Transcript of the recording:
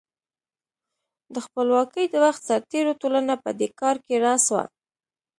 د خپلواکۍ د وخت سرتېرو ټولنه په دې کار کې راس وه.